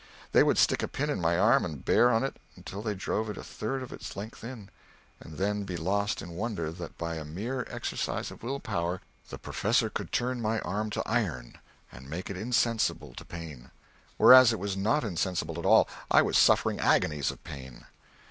They would stick a pin in my arm and bear on it until they drove it a third of its length in, and then be lost in wonder that by a mere exercise of will power the professor could turn my arm to iron and make it insensible to pain. Whereas it was not insensible at all; I was suffering agonies of pain.